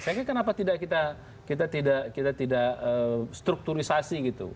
saya kira kenapa tidak kita tidak strukturisasi gitu